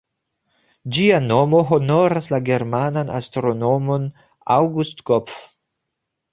Ĝia nomo honoras la germanan astronomon August Kopff.